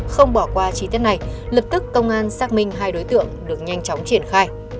không bỏ qua chi tiết này lập tức công an xác minh hai đối tượng được nhanh chóng triển khai